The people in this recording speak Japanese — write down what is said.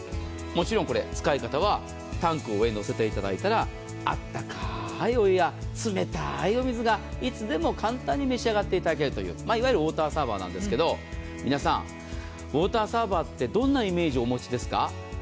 もちろん使い方はタンクを上に載せていただいたらあったかいお湯や冷たいお水がいつでも簡単に召し上がっていただけるといういわゆるウォーターサーバーなんですが皆さん、ウォーターサーバーってどんなイメージをお持ちですか？